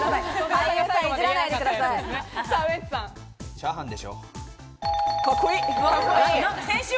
チャーハンでしょ。